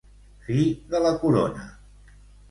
Fi de la corona.